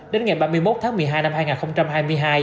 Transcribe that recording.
đến ngày ba mươi một tháng một mươi hai năm hai nghìn hai mươi hai